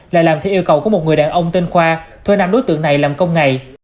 là làm theo yêu cầu của một người đàn ông tên khoa thuê năm đối tượng này làm công ngày